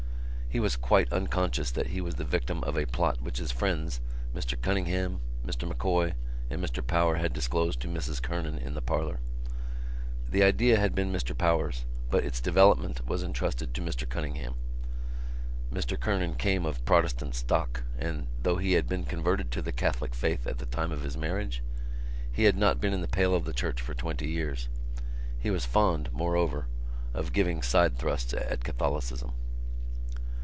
He was quite unconscious that he was the victim of a plot which his friends, Mr Cunningham, Mr M'Coy and Mr Power had disclosed to Mrs Kernan in the parlour. The idea had been Mr Power's but its development was entrusted to Mr Cunningham. Mr Kernan came of Protestant stock and, though he had been converted to the Catholic faith at the time of his marriage, he had not been in the pale of the Church for twenty years. He was fond, moreover, of giving side thrusts at Catholicism.